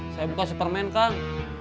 saya bukan superman kang